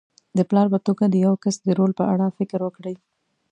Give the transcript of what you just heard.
د پلار په توګه د یوه کس د رول په اړه فکر وکړئ.